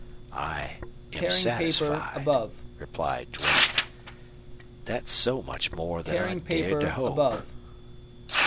"I am satisfied," replied Duane. "That's so much more than I've dared to hope."